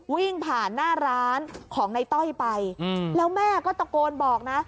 วิ่งผ่านหน้าร้านของในต้อยไปแล้วแม่ก็ตะโกนบอกนะ